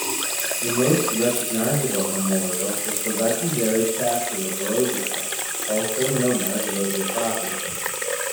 The most recognizable memorial is the legendary Castle of Rozafa known also as Rozafati.